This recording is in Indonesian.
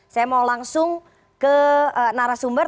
saya mau langsung ke narasumber